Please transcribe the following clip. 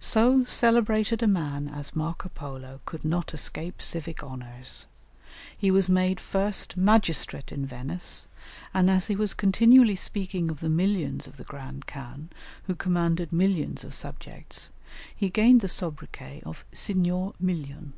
So celebrated a man as Marco Polo could not escape civic honours. He was made first magistrate in Venice, and as he was continually speaking of the "millions" of the Grand Khan, who commanded "millions" of subjects, he gained the soubriquet of Signor Million.